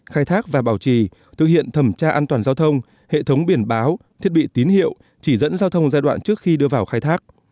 khai thác và bảo trì thực hiện thẩm tra an toàn giao thông hệ thống biển báo thiết bị tín hiệu chỉ dẫn giao thông giai đoạn trước khi đưa vào khai thác